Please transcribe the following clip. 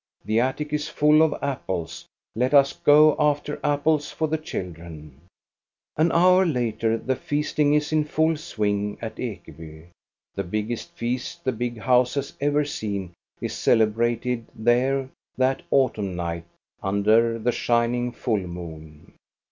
The attic is full of apples. Let us go after apples for the children !" An hour later the feasting is in full swing at ":eby. The biggest feast the big house has ever seen is celebrated there that autumn night under the shining full moon.